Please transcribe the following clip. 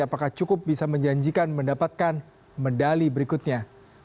apakah cukup bisa menjanjikan mendapatkan medali berikutnya